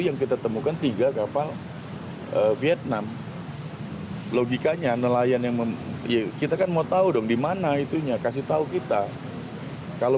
nelayan di natuna